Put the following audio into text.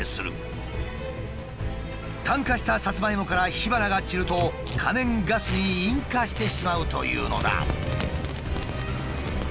炭化したサツマイモから火花が散ると可燃ガスに引火してしまうというのだ。